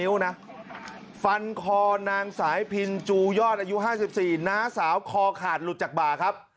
นิ้วนะฟันคอนางสายพินจูยอดอายุห้าสิบสี่น้าสาวคอขาดหลุดจากบ่าครับ